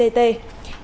tho tự nhận